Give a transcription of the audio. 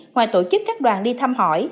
ngoài tổ chức các đoàn đi thăm hỏi